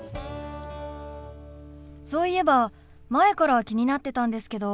そういえば前から気になってたんですけど。